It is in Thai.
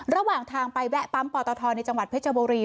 ระหว่างทางไปแวะปั๊มปอตทในจังหวัดเพชรบุรี